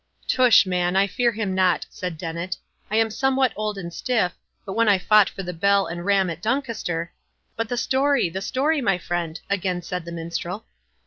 "Tush, man, I fear him not," said Dennet; "I am somewhat old and stiff, but when I fought for the bell and ram at Doncaster—" "But the story—the story, my friend," again said the Minstrel.